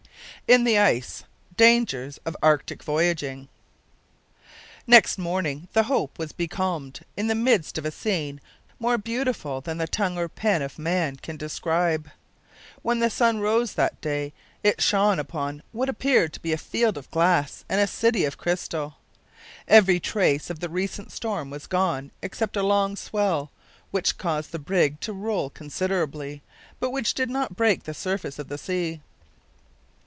IN THE ICE DANGERS OF ARCTIC VOYAGING. Next morning the Hope was becalmed in the midst of a scene more beautiful than the tongue or the pen of man can describe. When the sun rose that day, it shone upon what appeared to be a field of glass and a city of crystal. Every trace of the recent storm was gone except a long swell, which caused the brig to roll considerably, but which did not break the surface of the sea.